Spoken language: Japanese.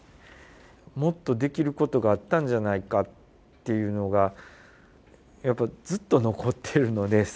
もっとできることがあったんじゃないかっていうのがずっと残ってるのでそこが。